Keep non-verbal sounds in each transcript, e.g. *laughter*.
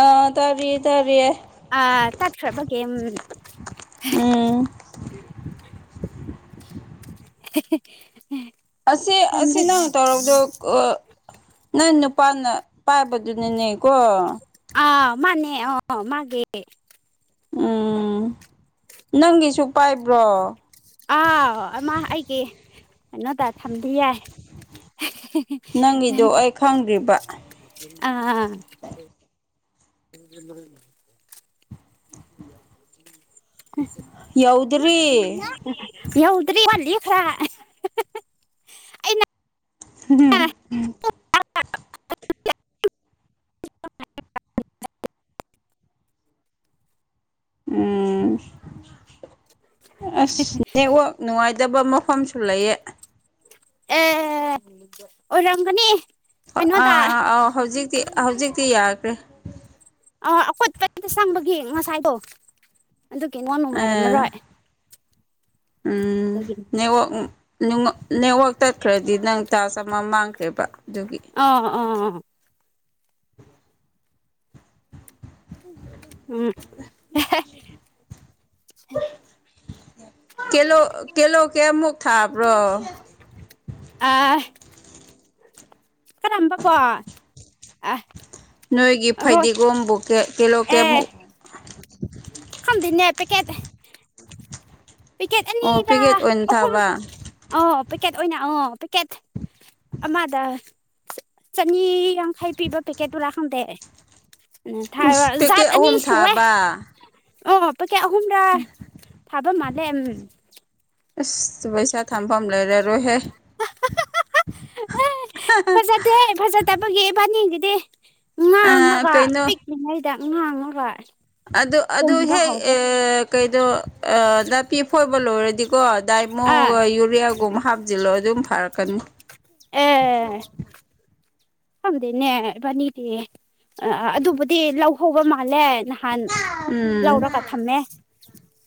ꯑꯥ ꯇꯥꯔꯤꯌꯦ ꯇꯥꯔꯤꯌꯦ ꯑ ꯇꯠꯀꯥꯔ ꯒ ꯎ *inaudible* ꯑꯁꯤ ꯑꯁꯤ ꯅꯪ ꯇꯧꯔꯛꯗꯣ ꯅꯪ ꯄꯅ ꯄꯥꯏꯕꯗꯨꯅꯤꯅꯦ ꯀꯣ ꯑ ꯃꯅꯦ ꯑꯣ ꯃꯥꯒꯦ ꯎꯝ ꯅꯪꯒꯤꯁꯨ ꯄꯥꯏꯕ꯭ꯔꯣ ꯅꯣ ꯇ ꯊꯝꯕꯤ ꯌꯥꯏ ꯅꯪꯒꯤꯗꯣ ꯑꯩ ꯈꯪꯗ꯭ꯔꯤꯕ ꯑꯥ ꯎꯝ ꯌꯎꯗ꯭ꯔꯤ ꯌꯧꯗ꯭ꯔꯔꯤ ꯋꯥꯜꯂꯤ ꯈꯔ ꯑꯩꯅ *inaudible* ꯎꯝ ꯑꯁ ꯅꯦꯠꯋꯥꯛ ꯅꯨꯡꯉꯥꯏꯇꯕ ꯃꯐꯝꯁꯨ ꯂꯩꯌꯦ ꯑꯦ ꯑꯣꯔꯪꯒꯅꯤ ꯑꯥ ꯑ ꯑꯥꯎ ꯍꯧꯖꯤꯛꯇꯤ ꯍꯧꯖꯤꯛꯇꯤ ꯌꯥꯈ꯭ꯔꯦ ꯑꯥ ꯑꯈꯣꯏꯠ ꯀꯔꯤꯝꯇ ꯆꯪꯕꯒꯤ ꯉꯁꯥꯏꯗꯣ ꯑꯗꯨ ꯀ ꯅꯣ ꯅꯨꯡꯉꯥꯏꯔꯝꯃꯔꯣꯏ ꯑꯗꯨꯒꯤꯅꯤ ꯎꯝꯉ ꯅꯦꯠꯋꯥꯛ ꯇꯠꯈ꯭ꯔꯗꯤ ꯅꯪ ꯇꯥꯔꯆ ꯑꯃ ꯃꯥꯡꯈ꯭ꯔꯦꯕ ꯑꯗꯨꯒꯤ ꯑꯣ ꯑꯣ ꯎꯝ ꯀꯂꯣ ꯀꯂꯣ ꯀꯦꯃꯨꯛ ꯊꯥꯕ꯭ꯔꯣ ꯑ ꯑ ꯔꯝꯕ ꯄ ꯑ ꯅꯣꯏꯒꯤ ꯐꯩꯗꯤꯒꯣꯝꯕꯨ ꯀꯦꯂꯣ ꯀꯦꯕꯃꯨꯛ ꯈꯪꯗꯅꯦꯦ ꯍꯥꯏ ꯄꯦ ꯀꯩꯗꯦ ꯄꯦꯀꯦꯠ ꯑꯣ ꯑꯅꯤꯔꯥ ꯄꯦꯀꯦꯠ ꯑꯣꯏꯅ ꯑꯍꯨꯝ ꯊꯥꯕ ꯑ ꯄꯦꯀꯦꯠ ꯑꯣꯏꯅ ꯑꯉꯣ ꯄꯦꯛꯀꯦꯠ ꯑꯃꯗ ꯆꯅꯤ ꯌꯥꯡꯈꯥꯏ ꯄꯤꯕ ꯄꯦꯀꯦꯠꯇ ꯇꯔꯥ ꯈꯪꯗꯦ ꯎꯝ ꯊꯥꯕ ꯎꯁ ꯖꯥꯠ ꯄꯦꯀꯦꯠ ꯑꯅꯤ ꯑꯍꯨꯝ ꯁꯋꯦ ꯊꯥꯕ ꯑꯣ ꯄꯦ ꯑꯍꯨꯝꯨꯝꯗ ꯊꯕ ꯃꯥꯂꯦ ꯎꯝ ꯑꯁ ꯄꯩꯁꯥ ꯊꯝꯐꯝ ꯂꯩꯔꯔꯣꯏꯍꯦ ꯐꯖꯗꯦꯍ ꯐꯖꯗꯕꯒꯤꯕꯥꯅꯤꯒꯤꯗꯤ ꯑ ꯉꯥꯡꯉꯒ ꯀꯩꯅꯣ ꯄꯤꯛꯂꯤꯉꯩꯗ ꯎ ꯉꯥꯡꯉꯔꯥꯏ ꯑꯗꯨ ꯑꯗꯨ ꯍꯦꯛ ꯀꯩꯗꯣ ꯅꯥꯄꯤ ꯐ ꯂꯣ ꯔꯗꯤ ꯀꯣ ꯗꯥꯏꯃꯣ ꯑꯥ ꯌꯨꯔꯤꯌꯥꯒꯨꯨꯝ ꯍꯥꯥꯗꯂꯣ ꯑꯗꯨꯝ ꯐꯔ ꯑꯦ ꯈꯪꯗꯦꯅꯦ ꯏꯕꯥꯅꯤꯗꯤ ꯑ ꯑꯗꯨꯕꯨꯗꯤ ꯂꯧ ꯍꯧꯕ ꯃꯥꯜꯂꯦ ꯅꯍꯥꯟ ꯎꯝ ꯂꯧꯔꯒ ꯊꯝꯃꯦ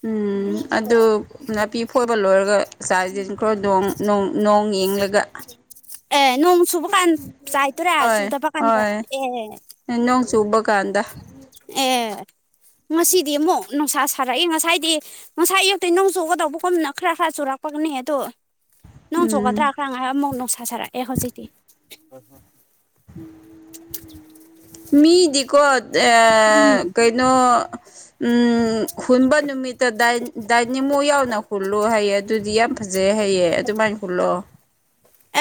ꯎꯝ ꯑꯗꯨ ꯅꯥꯄꯤ ꯐꯣꯏꯕ ꯂꯣꯏꯔꯒ ꯆꯥꯏꯁꯤꯟ ꯈꯔꯣ ꯅꯣꯡ ꯅꯣꯡ ꯌꯦꯡꯂꯒ ꯑꯦ ꯅꯣꯡ ꯁꯨꯕ ꯀꯥꯟ ꯆꯥꯏꯇꯣꯔꯦ ꯁꯨꯗꯕ ꯀꯥꯟꯗ ꯑꯦ ꯏ ꯅꯣꯡ ꯆꯨꯕ ꯀꯥꯟꯗ ꯑꯦ ꯉꯁꯤꯗꯤ ꯑꯃꯨꯛ ꯅꯨꯡꯁꯥ ꯁꯥꯔꯛꯑꯦ ꯉꯁꯥꯏꯗꯤ ꯉꯁꯥꯏ ꯑꯌꯨꯛꯇ ꯅꯣꯡ ꯆꯨꯒꯗꯧꯕ ꯈꯣꯝꯗꯅ ꯈꯔ ꯈꯔ ꯆꯨꯔꯛꯄꯒꯅꯤ ꯅꯦ ꯑꯗꯣ ꯅꯣꯡ ꯎꯝ ꯆꯣꯛꯀꯗ꯭ꯔꯥ ꯈꯔꯥꯉꯥꯏ ꯑꯃꯨꯛ ꯅꯨꯡꯁ ꯁꯥꯔꯛꯑꯦ ꯍꯧꯖꯤꯛꯇꯤ ꯃꯤꯗꯤꯀꯣ ꯑ ꯀꯩꯅꯩꯅꯣ ꯎꯝ ꯍꯨꯟꯕ ꯅꯨꯃꯤꯠꯇ ꯗꯥꯏꯅꯤꯡꯃꯣ ꯌꯥꯎꯅ ꯍꯨꯜꯂꯣ ꯍꯥꯏꯌꯦꯦ ꯑꯗꯨꯗꯤ ꯌꯥꯝ ꯐꯖꯩ ꯍꯥꯏꯑꯦ ꯑꯗꯨꯃꯥꯏꯅ ꯐꯂꯣ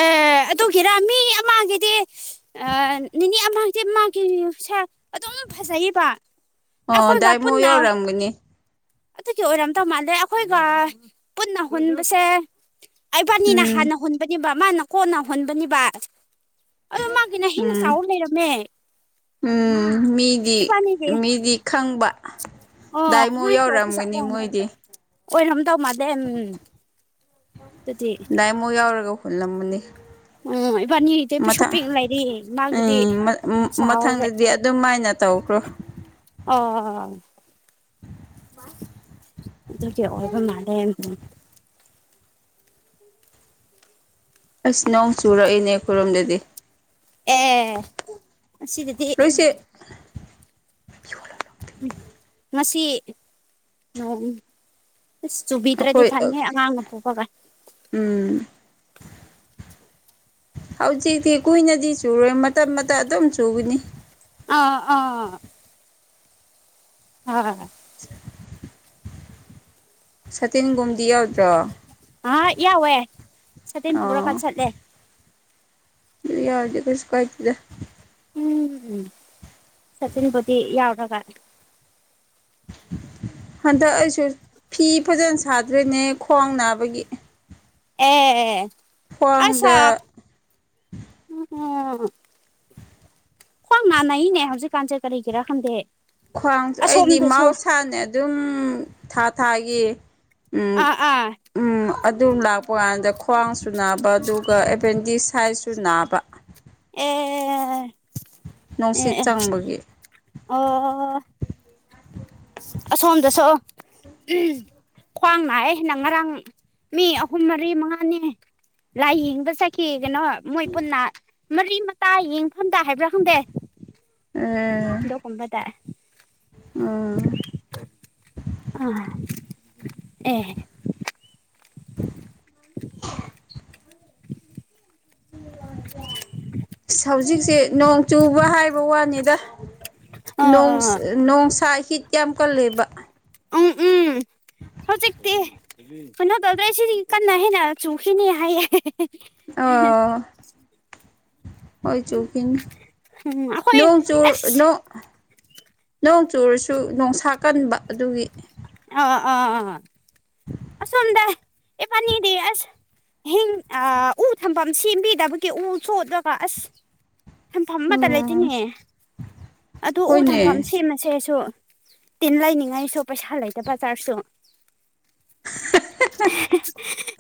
ꯑꯦ ꯑꯗꯨꯒꯤꯔꯥ ꯃꯤ ꯑꯃꯒꯤꯗꯤ ꯅꯤꯅꯤ ꯑꯃ ꯏꯁ ꯃꯥꯒꯤꯁꯦ ꯑꯗꯨꯝ ꯐꯖꯩꯕ ꯑꯣ ꯑꯩꯈꯣꯏꯒ ꯗꯥꯏꯃꯣ ꯄꯨꯟꯅ ꯌꯧꯔꯝꯒꯅꯤ ꯑꯗꯨꯒꯤ ꯑꯣꯏꯔꯝꯇ ꯃꯥꯜꯂꯦ ꯑꯩꯈꯣꯏꯒ ꯄꯨꯟꯅ ꯍꯨꯟꯕꯁꯦ ꯑꯩꯕꯥꯅꯤꯅ ꯎꯝ ꯍꯥꯟꯅ ꯍꯨꯟꯕꯅꯤꯕ ꯃꯥꯅ ꯀꯣꯟꯅ ꯍꯨꯟꯕꯅꯤꯕ ꯑ ꯃꯥꯒꯤꯅ ꯍꯅ ꯎꯝ ꯁꯥꯎ ꯂꯩꯔꯝꯃꯦ ꯎꯝ ꯃꯤꯗꯤ ꯏꯕꯥꯅꯤꯒꯤ ꯃꯤꯗꯤ ꯈꯪꯕ ꯑꯣ ꯗꯥꯏꯃꯣ ꯀꯃꯥꯏꯅ ꯇꯧꯕꯖꯥꯠꯂ ꯌꯧꯔꯛꯑꯝꯒꯅꯤ ꯃꯣꯏꯗꯤ ꯑꯣꯏꯔꯝꯗꯧ ꯃꯥꯥꯟꯗꯦ ꯑꯗꯨꯗꯤ ꯍꯜꯂꯝ ꯑꯃꯅꯤꯅꯤ ꯎꯝ ꯏꯕꯥꯅꯤꯒꯤꯗꯤ ꯃꯪ ꯄꯤꯁꯨ ꯄꯤꯛꯅ ꯂꯩꯔꯤ ꯃꯥꯒꯤꯗꯤ ꯎꯝ ꯆꯥꯎꯔꯦ ꯃꯊꯪꯗꯗꯤ ꯑꯗꯨꯝꯥꯏꯅ ꯍꯥꯏꯅ ꯇꯈ꯭ꯔꯣ ꯑꯣ ꯋꯥ ꯑꯗꯨ ꯀ ꯑꯣꯕ ꯃꯥꯗ ꯑꯁ ꯅꯣꯡ ꯆꯨꯔꯛꯏꯅꯦ ꯈꯨꯣꯏꯔꯣꯝꯗꯗꯤ ꯑꯦ ꯑꯁꯤꯗꯗꯤ ꯂꯣꯏꯁꯦ ꯎ ꯉꯁꯤ ꯑꯁ ꯆꯨꯕꯤꯗ꯭ꯔꯗꯤ ꯑꯩꯈꯣꯏ ꯐꯅꯤ ꯑꯉꯥꯡꯅ ꯄꯨꯣꯛꯄꯒ ꯎꯝ *inaudible* ꯍꯧꯖꯤꯛꯇꯤ ꯀꯨꯏꯅꯗꯤ ꯆꯨꯔꯣꯏ ꯃꯇꯝ ꯃꯇꯝ ꯑꯗꯨꯝ ꯆꯨꯒꯅꯤ ꯑꯥ ꯑꯥ ꯍ ꯑ ꯁꯇꯤꯟꯒꯨꯝꯗꯤꯌꯥ ꯑꯥ ꯌꯥꯎꯋꯦ ꯁꯇꯤꯟ ꯄꯨꯔ ꯀꯠ ꯑꯣ ꯆꯠꯂꯦ ꯑꯗꯨ ꯌꯥꯔꯗ ꯀꯁꯨꯀꯥꯏꯇꯗ ꯎꯝ ꯁꯆꯤꯟꯕꯨꯗꯤ ꯌꯥꯎꯔꯒ꯫ *unintelligible* *inaudible* ꯍꯟꯗꯛ ꯑꯩꯁꯨ ꯐꯤ ꯐꯖꯅ ꯁꯥꯗ꯭ꯔꯤꯅꯦ ꯈ꯭ꯋꯥꯡ ꯅꯥꯕꯒꯤ꯫ ꯑꯦ꯫ ꯄꯡꯗ꯫ ꯑꯣ꯫ ꯍꯣꯡ ꯥꯟꯅꯩꯅꯦ ꯍꯧꯖꯤꯛꯀꯥꯟꯁꯦ ꯀꯔꯤꯒꯤꯔꯥ ꯈꯪꯗꯦ꯫ ꯈ꯭ꯋꯥꯡꯁꯨ ꯑꯩꯗꯤ ꯑꯁꯣꯝꯗꯁꯨ ꯃꯍꯧꯁꯥꯅꯦ ꯑꯗꯨꯝ ꯊꯥ ꯊꯥꯒꯤ꯫ ꯎꯝ ꯑꯥ ꯑꯥ ꯎꯝ꯫ ꯑꯗꯨꯝ ꯂꯥꯛꯄ ꯀꯥꯟꯗ ꯈ꯭ꯋꯥꯡꯁꯨ ꯅꯥꯕ ꯑꯗꯨꯒ ꯑꯦꯄꯦꯟꯗꯤꯛ ꯁꯥꯏꯖꯁꯨ ꯅꯥꯕ꯫ ꯑꯦ꯫ ꯑꯦ ꯅꯨꯡꯁꯤꯠ ꯑꯦ ꯆꯪꯕꯒꯤ꯫ ꯑꯣ꯫ ꯎꯝ꯫ ꯑꯁꯣꯝꯗꯁꯣ ꯈ꯭ꯋꯥꯡꯅꯅ ꯉꯔꯥꯡ ꯃꯤ ꯑꯍꯨꯝ ꯃꯔꯤ ꯃꯉꯥꯅꯤ ꯂꯥꯏ ꯍꯤꯡꯕ ꯆꯈꯤ ꯀꯩꯅꯣ ꯃꯣꯏ ꯄꯨꯟꯅ ꯃꯔꯤ ꯃꯇꯥ ꯌꯦꯡꯐꯝꯗ ꯍꯥꯏꯕ꯭ꯔꯥ ꯈꯪꯗꯦ ꯗꯣ ꯀꯝꯕꯗ꯫ ꯑꯥ꯫ ꯑ ꯑꯦ꯫ *unintelligible* *inaudible* *inaudible* ꯁ ꯍꯧꯖꯤꯛꯁꯦ ꯅꯣꯡ ꯆꯨꯕ ꯍꯥꯏꯕ ꯋꯥꯅꯤꯗ ꯑꯥ ꯅꯣꯡꯁꯥ ꯍꯤꯠ ꯌꯥꯝ ꯀꯜꯂꯦꯕ꯫ ꯎꯝ ꯎꯝ꯫ ꯍꯧꯖꯤꯛꯇꯤ ꯀꯩꯅꯣ ꯇꯧꯗ꯭ꯔ ꯁꯤꯗꯤ ꯀꯟꯅ ꯍꯦꯟꯅ ꯆꯨꯈꯤꯅꯤ ꯍꯥꯏꯌꯦ꯫ ꯑꯣ ꯍꯣꯏ꯫ ꯆ ꯎꯝ ꯑꯩꯈꯣꯏ ꯅꯣꯡ ꯆ ꯑꯁ ꯅꯣꯡ꯫ ꯅꯣꯡ ꯆꯨꯔꯁꯨ ꯣꯡꯁꯥ ꯀꯟꯕ ꯑꯗꯨꯒꯤ ꯑ ꯑꯥ ꯑꯥ ꯑꯁꯗ ꯑꯦ ꯐꯅꯤꯗ ꯌꯥꯁ ꯍꯤꯡ ꯎ ꯊꯝꯐꯝ ꯁꯦꯝꯕꯤꯗꯕꯒꯤ ꯎ ꯁꯣꯗꯒ ꯑꯁ ꯊꯝꯐꯝ ꯑꯃꯠꯇ ꯎꯝ ꯂꯩꯇꯦꯅꯦ ꯑꯗꯨ ꯎ ꯍꯣꯏꯅꯦ ꯊꯝꯐꯝ ꯁꯦꯝꯃꯁꯦꯁꯨ ꯇꯤꯟ ꯂꯩꯅꯤꯡꯉꯥꯏꯁꯨ ꯄꯩꯁꯥ ꯂꯩꯇꯕ ꯕꯖꯥꯔꯁꯨ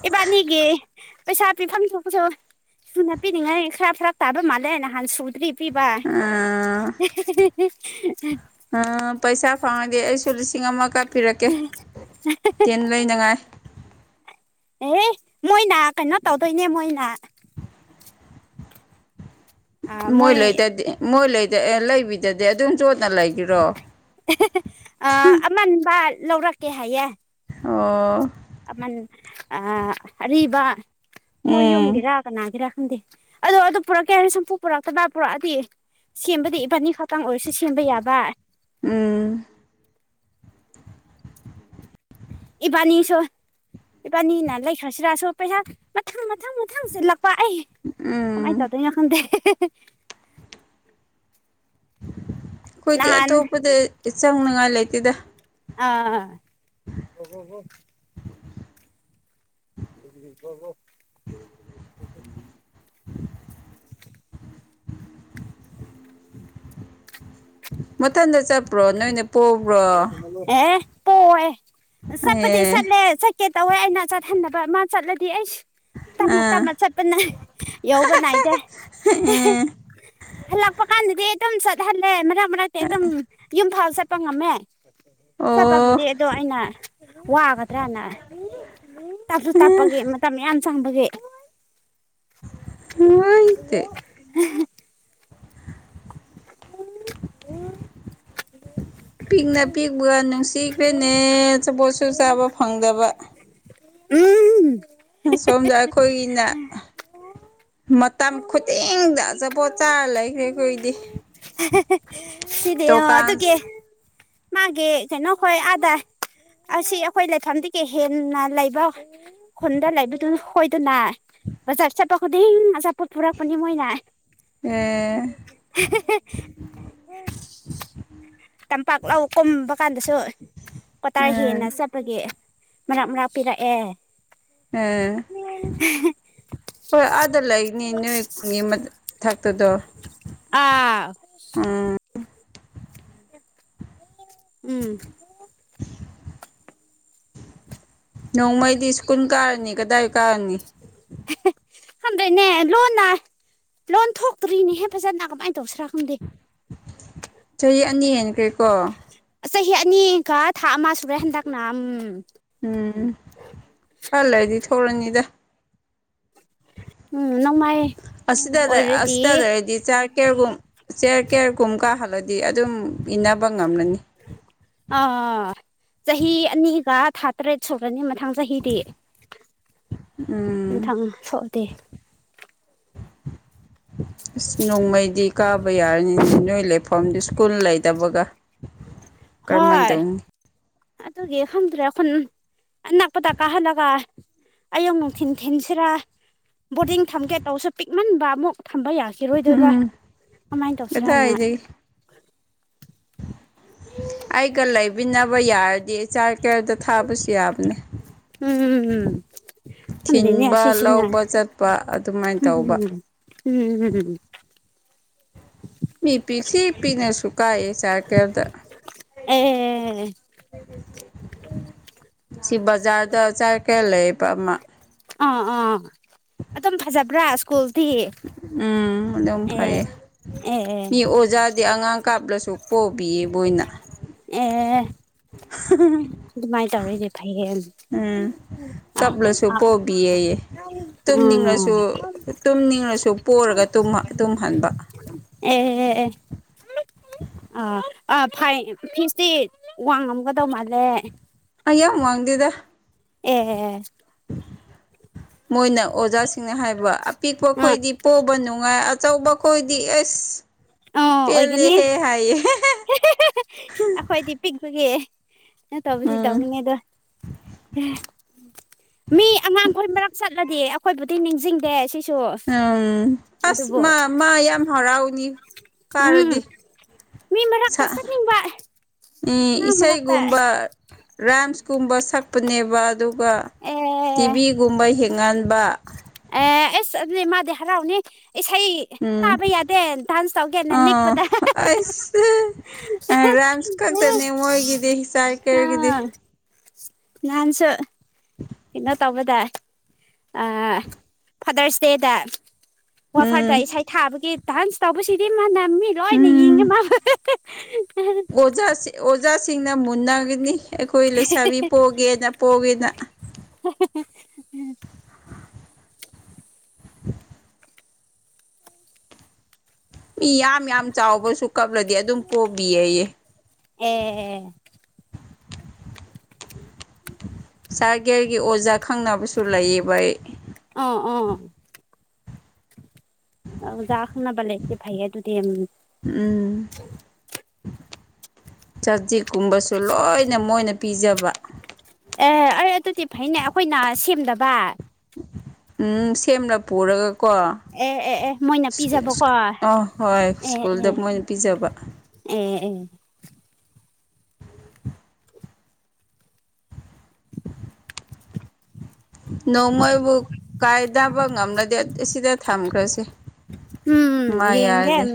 ꯏꯕꯥꯅꯤꯒꯤ ꯄꯩꯁꯥ ꯄꯤꯐꯝ ꯊꯣꯛꯁꯨ ꯁꯨ ꯅꯞꯄꯤꯅꯤꯡꯉꯥꯏ ꯈꯔꯞ ꯈꯔꯥꯛ ꯇꯥꯕ ꯃꯥꯜꯂꯦ ꯅꯍꯥꯟ ꯁꯨꯗ꯭ꯔꯤꯕ ꯄꯤꯕ ꯑ ꯄꯩꯁꯥ ꯐꯥꯉꯗ ꯁꯁꯤꯁꯤꯡꯃ ꯀ ꯄꯤꯔꯛꯀꯦ ꯇꯦꯟ ꯂꯩꯅꯉꯥꯏ ꯑꯦ ꯃꯣꯏꯅ ꯀꯩꯅꯣ ꯇꯧꯗꯣꯏꯅꯦ ꯃꯣꯏꯅ ꯃꯣꯏ ꯂꯩꯇꯗꯤ ꯃꯣꯏ ꯂꯩ ꯑꯦ ꯂꯩꯕꯤꯗꯗꯤ ꯑꯗꯨꯝ ꯆꯣꯠꯅ ꯂꯩꯈꯤꯔꯣ ꯑ ꯑꯃꯟꯕ ꯂꯧꯔꯛꯀꯦ ꯍꯥꯏꯌꯦꯦ ꯑꯣ꯫ ꯑꯃꯜ ꯑꯔꯤꯕ ꯃꯣꯏ ꯎꯝ ꯌꯨꯝꯒꯤꯔꯥ ꯀꯅꯥꯒꯤꯔꯥ꯫ ꯈꯪ ꯑꯗꯣ ꯑꯗꯨ ꯄꯨꯔꯛꯀꯦ ꯍꯥꯏꯔꯅꯤ ꯁꯨꯝꯄꯨ ꯄꯨꯔꯛꯇꯕ꯭ꯔ ꯄꯨꯔꯛꯑꯗꯤ꯫ ꯁꯦꯝꯕꯗꯤ ꯏꯕꯥꯅꯤ ꯈꯛꯇꯥꯡ ꯑꯣꯏꯔꯁꯨ ꯁꯦꯝꯕ ꯌꯥꯕ꯫ ꯎꯝ꯫ ꯏꯕꯥꯅꯤꯁꯨ ꯏꯕꯥꯅꯤꯅ ꯂꯩꯈ꯭ꯔꯁꯤꯔꯁꯨ ꯄꯩꯁꯥ ꯃꯊꯪ ꯃꯊꯪ ꯃꯊꯪꯁ꯫ ꯄꯥꯏ ꯑꯩ ꯀꯃꯥꯏ ꯎꯝ ꯇꯧꯗꯣꯏ ꯌꯥ ꯈꯟꯗ ꯑꯩꯈꯣꯏꯗꯤ ꯑꯇꯣꯞꯄꯗ ꯆꯪꯅꯤꯉꯥꯏ ꯂꯩꯇꯦꯗ ꯑꯥ *unintelligible* *inaudible* ꯃꯊꯟꯗ ꯆꯠꯄꯔꯣꯅꯣꯏꯅ ꯑꯦ ꯄꯣ ꯑꯦ ꯆꯄꯗꯤ ꯑꯦ ꯆꯠꯂꯦ ꯆ ꯀꯦ ꯇꯧꯋꯦ ꯑꯩꯅ ꯆꯠꯊꯟꯅꯕ ꯑꯃ ꯆꯠꯂꯗꯤ ꯑꯩ ꯇꯞꯅ ꯑꯥ ꯇꯞꯅ ꯆꯠꯄꯅ ꯌꯧꯕ ꯅꯥꯏꯗꯦ ꯑꯦ ꯍꯜꯂꯛꯄ ꯀꯥꯟꯗꯗꯤ ꯑꯩ ꯑꯗꯨꯝ ꯆꯠꯍꯜꯂꯦ ꯃꯔꯛ ꯃꯔꯛꯇꯤ ꯑꯗꯨꯝ ꯌꯨꯝ ꯐꯥꯎꯕ ꯆꯠꯄ ꯉꯝꯃꯦ ꯑꯣ ꯆꯞꯄꯄꯨꯗꯤ ꯑꯗꯣ ꯑꯩꯅ ꯋꯥꯒꯗ꯭ꯔꯅ ꯇꯥꯞꯁꯨ ꯇꯞꯄꯒꯦ ꯃꯇꯝ ꯌꯥꯝ ꯁꯥꯡꯕꯒꯦ *unintelligible* ꯄꯤꯛꯅ ꯄꯤꯛꯄꯒ ꯅꯨꯡꯁꯤꯈ꯭ꯔꯦꯅꯦ ꯑꯆꯥꯄꯣꯠꯁꯨ ꯆꯥꯕ ꯐꯪꯗꯕ ꯎꯝ ꯁꯣꯝꯗ ꯑꯩꯈꯣꯏꯒꯤꯅ ꯃꯇꯝ ꯈꯨꯗꯤꯡꯗ ꯑꯆꯥꯄꯣꯠ ꯆꯥꯔ ꯂꯩꯈ꯭ꯔꯦꯈꯣꯏꯗꯤ ꯁꯤꯗꯤ ꯑꯣ ꯑꯗꯨꯒꯤ ꯃꯥꯒꯤ ꯀꯩꯅꯣꯈꯣꯏ ꯑꯥꯗꯥꯥꯏ ꯑꯁꯤ ꯑꯩꯈꯣꯏ ꯂꯩꯐꯝꯗꯒꯤ ꯍꯦꯟꯅ ꯂꯩꯕ ꯈꯨꯟꯗ ꯂꯩꯕꯗꯨ ꯍꯣꯏꯗꯅ ꯆꯥꯞ ꯆꯠꯄ ꯈꯨꯗꯤꯡ ꯑꯆꯥꯄꯣꯠ ꯐꯨꯔꯛꯄꯅꯤ ꯃꯣꯏꯅ ꯑꯦ ꯇꯝꯄꯥꯛ ꯂꯧ ꯀꯨꯝꯕ ꯀꯥꯟꯗꯁꯨ ꯀꯇꯥꯔ ꯍꯦꯟꯅ ꯑꯥ ꯆꯠꯄꯒꯤ ꯃꯔꯥꯛ ꯃꯔꯥꯛ ꯄꯤꯔꯛꯑꯦ *unintelligible* ꯍꯣꯏ ꯑꯥꯗ ꯂꯩꯅꯤ ꯅꯣꯏ ꯀꯨꯟꯒꯤ ꯃꯊꯛꯇꯗꯣ ꯑꯥ ꯎꯝ ꯎꯝ ꯅꯣꯡꯃꯩꯗꯤ ꯁ꯭ꯀꯨꯜ ꯀꯥꯔꯅꯤ ꯀꯗꯥꯏ ꯀꯥꯔꯅꯤ ꯈꯪꯗꯦꯅꯦ ꯂꯣꯟꯅ ꯂꯣꯟ ꯊꯣꯛꯇ꯭ꯔꯤꯅꯦꯍꯦ ꯐꯖꯅ ꯀꯃꯥꯏꯅ ꯇꯧꯁꯤꯔꯥ ꯈꯪꯗꯦ ꯆꯍꯤ ꯑꯅꯤ ꯍꯦꯟꯈꯦꯀꯣ ꯆꯍꯤ ꯑꯅꯤꯒ ꯊꯥ ꯑꯃ ꯁꯨꯔꯦ ꯍꯟꯗꯛꯅ ꯎꯝ ꯎꯝ ꯈꯜꯂꯗꯤ ꯊꯣꯛꯂꯅꯤꯗ ꯎꯝ ꯅꯣꯡꯃꯥꯏ ꯑꯁꯗꯔ ꯑꯣꯏꯔꯗꯤ ꯑꯁꯗ ꯂꯩꯔꯗꯤ ꯆꯥ ꯀꯦꯒꯨꯝ ꯆꯦꯔ ꯀꯦꯌꯔ ꯀꯨꯝ ꯀꯥꯍꯜꯂꯗꯤ ꯑꯗꯨꯝ ꯏꯟꯅꯕ ꯉꯝꯂꯅꯤ ꯑꯥ ꯆꯍꯤ ꯑꯅꯤꯒ ꯊꯥ ꯇꯔꯦꯠ ꯁꯨꯔꯅꯤ ꯃꯊꯪ ꯆꯍꯤꯗꯤ ꯎꯝ ꯇꯦ ꯑꯁ ꯅꯣꯡꯃꯩꯗꯤ ꯀꯥꯕ ꯌꯥꯔꯅꯤꯅ ꯅꯣꯏ ꯂꯩꯐꯝꯗꯤ ꯁ꯭ꯀꯨꯜ ꯂꯩꯗꯕꯒ ꯀꯔꯝꯍꯥꯏꯅ ꯇꯧꯅꯤ ꯑꯗꯒꯤꯐꯝꯗ꯭ꯔ ꯑꯅꯛꯄꯗ ꯀꯥꯍꯜꯂꯒ ꯑꯌꯨꯛ ꯅꯨꯡꯊꯤꯟ ꯊꯤꯟꯁꯤꯔꯥ ꯕꯣꯔꯗꯤꯡ ꯊꯝꯒꯦ ꯇꯧꯁꯨ ꯄꯤꯛꯃꯟꯕ ꯑꯃꯨꯛ ꯊꯝꯕ ꯌꯥꯁꯤꯦ ꯀꯤꯔꯣꯏꯗꯣꯏ ꯚ ꯎꯝ ꯀꯃꯥꯏꯅ ꯇꯧꯁꯤꯔ ꯍꯥꯟꯅ ꯀꯗꯥꯏꯗꯒꯤ ꯑꯩꯒ ꯂꯩꯕꯤꯅꯕ ꯌꯥꯔꯗꯤ ꯆꯥꯏꯜ ꯀꯤꯌꯥꯔꯗ ꯊꯥꯕꯁꯨ ꯌꯥꯕꯅꯦ ꯎꯝ ꯈꯪꯗꯦꯅꯦ ꯊꯤꯟꯕ ꯑꯁꯤꯁꯤꯅ ꯂꯧꯕ ꯆꯠꯄ ꯑꯗꯨꯃꯥꯏꯅ ꯇꯧꯕ ꯎꯝ ꯎꯝ ꯍꯝ ꯃꯤ ꯄꯤꯁꯤ ꯄꯤꯅꯁꯨ ꯀꯥꯏꯑ ꯆꯔꯀꯔꯗ ꯑꯦ ꯁꯤ ꯕꯖꯥꯔꯗ ꯆꯥꯏ ꯀꯌꯥ ꯂꯩꯕ ꯑꯃ ꯑ ꯑ ꯑꯗꯨꯝ ꯐꯖꯕ꯭ꯔꯥ ꯁ꯭ꯀꯨꯜ ꯎꯝ ꯑꯗꯨꯝ ꯐꯩꯌꯦ ꯑꯦ ꯑꯦ ꯃꯤ ꯑꯣꯖꯥ ꯍꯥꯏꯗꯤ ꯑꯉꯥꯡ ꯀꯥꯞꯂꯁꯨ ꯄꯣꯕꯤꯌꯦ ꯃꯣꯏꯅ ꯑꯦ *unintelligible* ꯇꯧꯔꯤꯁꯦ ꯐꯩꯌꯦ ꯎꯝ ꯑꯥ ꯀꯄꯂꯁꯨꯨ ꯄꯣꯕꯤꯌꯦꯌꯦ ꯎꯝ ꯇꯨꯝꯅꯤꯡꯉꯁꯨ ꯇꯨꯝꯅꯤꯡꯉꯁꯨ ꯄꯨꯔꯒ ꯇꯨꯝꯃ ꯇꯨꯝꯍꯟꯕ ꯑꯦ ꯑꯦ ꯑꯦ ꯑ ꯑ ꯐꯥꯏ ꯐꯤꯁꯇꯤ ꯋꯥꯡ ꯑꯃꯒꯗꯧ ꯃꯥꯜꯂꯦ ꯌꯥꯝ ꯋꯥꯡꯗꯦꯗ ꯑꯦ ꯃꯣꯏꯅ ꯑꯣꯖꯥꯁꯤꯡꯅ ꯍꯥꯏꯕ ꯑꯄꯤꯛꯄ ꯑꯥ ꯈꯣꯏꯗꯤ ꯄꯣꯕ ꯅꯨꯡꯉꯥꯏ ꯑꯆꯧꯕ ꯈꯣꯏꯗꯤ ꯑꯦꯁ ꯑ ꯑꯣꯏꯒꯅꯤ ꯑꯩꯈꯣꯏꯗꯤ ꯄꯤꯛꯄꯒꯤ ꯇꯧꯕꯅꯤ ꯎꯝ ꯇꯧꯕꯅꯤ ꯑꯗꯨ ꯃꯤ ꯑꯉꯥꯡꯈꯣꯏ ꯃꯔꯛ ꯆꯠꯂꯗꯤ ꯑꯩꯈꯣꯏꯕꯨꯗꯤ ꯅꯤꯡꯁꯤꯡꯗꯦ ꯁꯤ ꯎꯝ ꯑꯁ ꯃꯥ ꯃꯥ ꯌꯥꯝ ꯍꯔꯥꯎꯅꯤ ꯎꯝ ꯀꯥꯔꯗꯤ ꯃꯤ ꯃꯔꯛꯇ ꯆꯠꯅꯤꯡꯕ ꯑꯉꯥꯡ ꯃꯔꯛꯇ ꯏꯁꯩꯒꯨꯝꯕ ꯔꯥꯏꯝꯁ ꯀꯨꯝꯕ ꯁꯛꯄꯅꯦꯕ ꯑꯗꯨꯒ ꯑꯦ ꯇꯤꯚꯤꯒꯨꯝꯕ ꯌꯦꯡꯍꯟꯕ ꯑꯦ ꯑꯁ ꯑꯗꯨꯗꯤ ꯃꯥꯗꯤ ꯍꯔꯥꯎꯅꯤ ꯏꯁꯩ ꯎꯝ ꯇꯥꯕ ꯌꯥꯗꯦ ꯗꯥꯟꯁ ꯇꯧꯒꯦꯅ ꯑꯥ ꯅꯤꯛꯄꯗ ꯑꯩꯁ ꯔꯥꯏꯝꯁ ꯈꯛꯇꯅꯦ ꯃꯣꯏꯒꯤꯗꯤ ꯆꯥꯏꯜ ꯀꯦꯌꯔꯒꯤꯗꯤ ꯅꯥꯟꯁꯨ ꯀꯩꯅꯣ ꯇꯧꯕꯗ ꯐꯥꯗꯔꯁ ꯗꯦꯗ ꯋꯥꯐꯔꯗ ꯎꯝ ꯏꯁꯩ ꯊꯥꯕꯒꯤ ꯗꯥꯟꯁ ꯇꯧꯕꯁꯤꯗꯤ ꯃꯥꯅꯥ ꯃꯤ ꯂꯣꯏꯅ ꯌꯦꯡꯉꯦ ꯎꯝ ꯃꯥ *unintelligible* ꯑꯣꯖꯥ ꯑꯣꯖꯥꯁꯤꯡꯅ ꯃꯨꯟꯅꯒꯅꯤ ꯑꯩꯈꯣꯏ ꯂꯩꯁꯥꯕꯤ ꯄꯣꯒꯦꯅ ꯄꯣꯒꯦꯅ *unintelligible* ꯃꯤ ꯌꯥꯝ ꯌꯥꯝ ꯆꯥꯎꯕꯁꯨ ꯀꯞꯂꯗꯤ ꯑꯗꯨꯝ ꯄꯣꯕꯤꯌꯦ ꯑꯩꯌꯦ *unintelligible* ꯆꯥꯒꯦꯔꯒꯤ ꯑꯣꯖꯥ ꯈꯪꯅꯥꯕꯁꯨ ꯂꯩꯥꯏꯌꯦꯕ ꯑꯩ ꯑꯣ ꯑꯣ ꯑꯣꯖꯥ ꯈꯨꯅꯕ ꯂꯩꯌꯦ ꯐꯩꯌꯦ ꯑꯗꯨꯗꯤ ꯎꯝ ꯆꯖꯤꯛꯀꯨꯝꯕꯁꯨ ꯂꯣꯏꯅ ꯃꯣꯏꯅ ꯄꯤꯖꯕ ꯑꯦ ꯑꯩ ꯑꯗꯨꯗꯤ ꯐꯩꯅꯦ ꯑꯩꯈꯣꯏꯅ ꯁꯦꯝꯗꯕ ꯎꯝ ꯁꯦꯝꯅ ꯄꯨꯔꯒ ꯀꯣ ꯑꯥ ꯑꯦ ꯑꯦ ꯑꯦ ꯃꯣꯏꯅ ꯄꯤꯖꯕꯀꯣ ꯑꯦ ꯍꯣꯏ ꯁ꯭ꯀꯨꯜꯗ ꯃꯣꯏꯅ ꯄꯤꯖꯕ ꯑꯣꯝ ꯑꯣꯝ ꯅꯣꯡꯃꯕꯨ ꯀꯥꯏꯗꯕ ꯉꯝꯂꯗꯤ ꯑꯁꯤꯗ ꯊꯝꯈ꯭ꯔꯁꯦ ꯎꯝ ꯃꯥ ꯌꯦꯡꯒꯦ ꯌꯥꯔꯗꯤ ꯎꯝ